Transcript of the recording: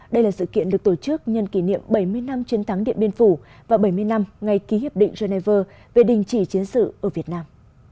đây là sự kiện được tổ chức nhân kỷ niệm bảy mươi năm chiến thắng điện biên phủ và bảy mươi năm ngày ký hiệp định geneva về đình chỉ chiến sự ở việt nam